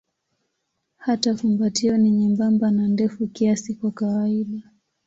Hata fumbatio ni nyembamba na ndefu kiasi kwa kawaida.